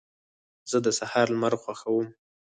زه د سهار لمر خوښوم.